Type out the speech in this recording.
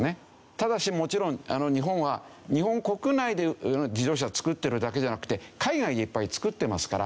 ただしもちろん日本は日本国内で自動車を作ってるだけじゃなくて海外でいっぱい作ってますから。